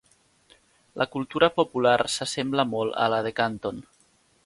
La cultura popular s'assembla molt a la de Canton.